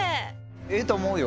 ええと思うよ。